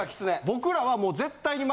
僕らはもう絶対に。